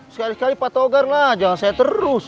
sekali kali patogar lah jangan saya terus